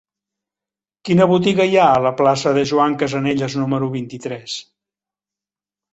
Quina botiga hi ha a la plaça de Joan Casanelles número vint-i-tres?